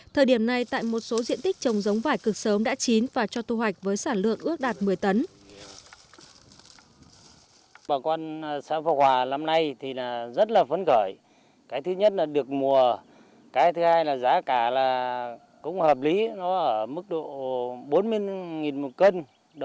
thời điểm này tại một số diện tích trồng giống vải cực sớm đã chín và cho thu hoạch với sản lượng ước đạt một mươi tấn